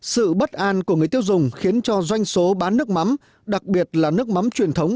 sự bất an của người tiêu dùng khiến cho doanh số bán nước mắm đặc biệt là nước mắm truyền thống